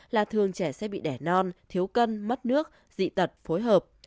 là thường trẻ sẽ bị đẻ non thiếu cân mất nước dị tật phối hợp